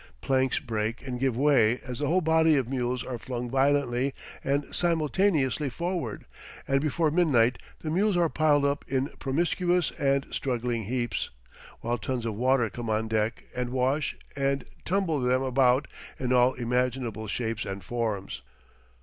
Planks break and give way as the whole body of mules are flung violently and simultaneously forward, and before midnight the mules are piled up in promiscuous and struggling heaps, while tons of water come on deck and wash and tumble them about in all imaginable shapes and forms.